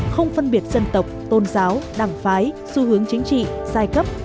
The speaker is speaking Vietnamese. không phân biệt dân tộc tôn giáo đảng phái xu hướng chính trị giai cấp